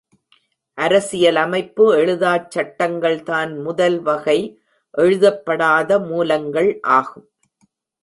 அரசியலமைப்பு எழுதாச்சட்டங்கள் தான் முதல் வகை எழுதப்படாத மூலங்கள் ஆகும்.